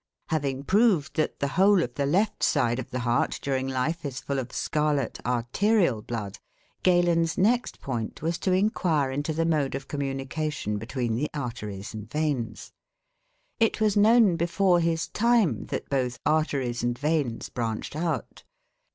Having proved that the whole of the left side of the heart, during life, is full of scarlet arterial blood, Galen's next point was to inquire into the mode of communication between the arteries and veins. It was known before his time that both arteries and veins branched out.